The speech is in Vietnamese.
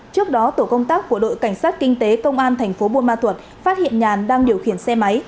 trước đó tổ công tác của đội cảnh sát kinh tế công an thành phố buôn ma thuật phát hiện nhàn đang điều khiển xe máy